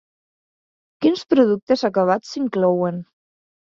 Quins productes acabats s'inclouen?